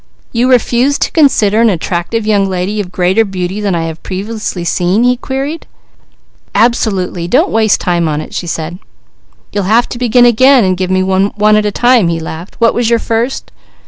"You refuse to consider an attractive young lady of greater beauty than I have previously seen?" he queried. "Absolutely! Don't waste time on it," she said. "You'll have to begin again and ask me one at a time," he laughed. "What was your first?"